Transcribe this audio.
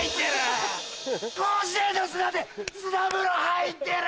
甲子園の砂で砂風呂入ってる！